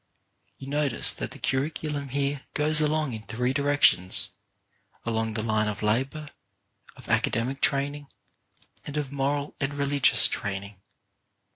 You notice that the curriculum here goes along in three directions — along the line of labour, of academic training, and of moral and religious training.